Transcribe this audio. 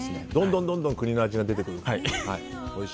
どんどん栗の味が出てくる。